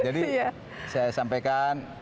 jadi saya sampaikan